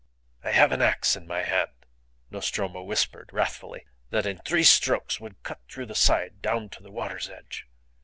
"I have an axe in my hand," Nostromo whispered, wrathfully, "that in three strokes would cut through the side down to the water's edge.